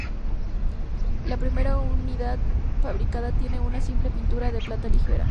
La primera unidad fabricada tiene una simple pintura de plata ligera.